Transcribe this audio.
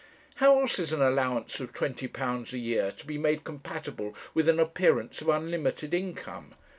How else is an allowance of £20 a year to be made compatible with an appearance of unlimited income?